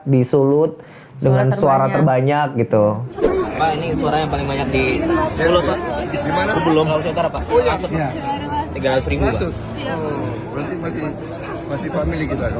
disulut dengan suara terbanyak gitu pak ini suara yang paling banyak di tiga ratus